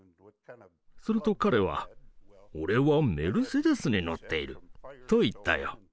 すると彼は「俺はメルセデスに乗っている」と言ったよ。